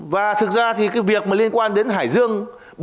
và thực ra thì cái việc mà liên quan đến hải dương